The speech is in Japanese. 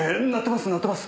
鳴ってます